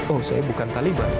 oh saya bukan taliban